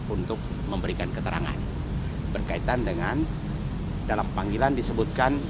untuk memberikan keterangan berkaitan dengan dalam panggilan disebutkan